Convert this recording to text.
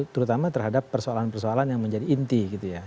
terutama terhadap persoalan persoalan yang menjadi inti gitu ya